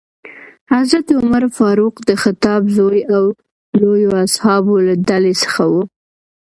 حضرت عمر فاروق د خطاب زوی او لویو اصحابو له ډلې څخه ؤ.